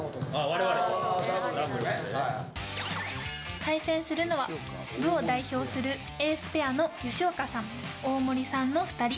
対戦するのは部を代表するエースペアの吉岡さん、大森さんの２人。